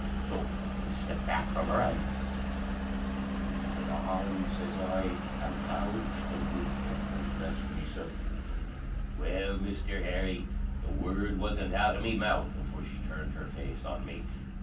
So I made a step back from her, an' "The Lord be betune us an' harm!" sez I, out loud, an' wid that I blessed meself. Well, Misther Harry, the word wasn't out o' me mouth afore she turned her face on me.